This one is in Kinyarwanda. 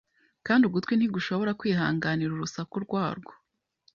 Kandi ugutwi ntigushobora kwihanganira urusaku rwarwo